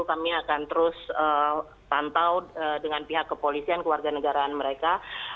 kami akan terus pantau dengan pihak kepolisian kewarganegaraan mereka